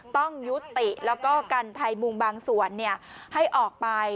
ต้องยุติแล้วก็กันไทยมุงบางส่วนให้ออกไป